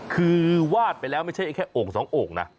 คือวาดไปแล้วไม่ใช่แค่โอ่งสองโอ่งนะ